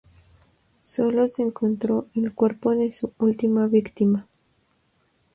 Solo se encontró el cuerpo de su última víctima.